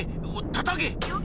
たたけ！